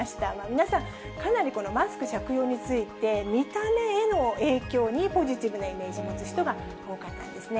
皆さん、かなりマスク着用について、見た目への影響にポジティブなイメージを持つ人が多かったんですね。